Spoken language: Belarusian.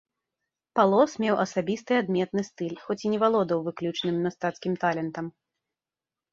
Палос меў асабісты адметны стыль, хоць і не валодаў выключным мастацкім талентам.